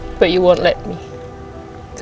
tapi kamu tidak akan membiarkanku